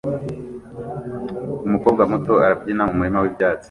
Umukobwa muto arabyina mumurima wibyatsi